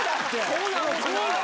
そうなのかな？